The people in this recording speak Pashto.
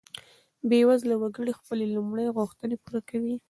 بیوزله وګړي خپلې لومړۍ غوښتنې پوره کوي.